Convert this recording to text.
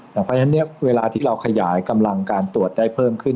เพราะฉะนั้นเวลาที่เราขยายกำลังการตรวจได้เพิ่มขึ้น